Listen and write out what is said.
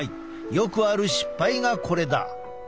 よくある失敗がこれだ。